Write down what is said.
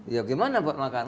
ya gimana buat makan